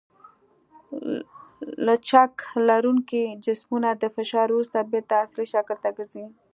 لچک لرونکي جسمونه د فشار وروسته بېرته اصلي شکل ته ګرځي.